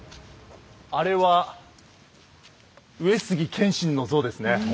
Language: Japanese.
あれは上杉謙信の像ですね。